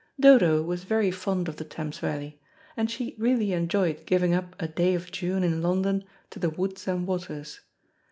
Dodo was very fond of the Thames valley, and she really enjoyed giving up a day of June in London to the woods and waters.